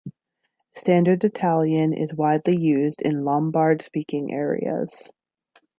Standard Italian is widely used in Lombard-speaking areas.